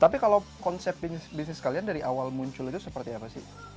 tapi kalau konsep bisnis kalian dari awal muncul itu seperti apa sih